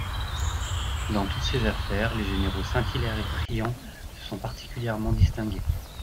Dans toutes ces affaires les généraux Saint-Hilaire et Friant se sont particulièrement distingués.